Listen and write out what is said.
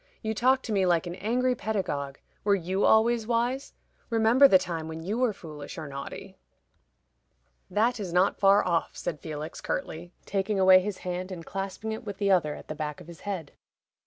"You talk to me like an angry pedagogue. Were you always wise? Remember the time when you were foolish or naughty." "That is not far off," said Felix, curtly, taking away his hand, and clasping it with the other at the back of his head.